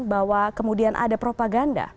bahwa kemudian ada propaganda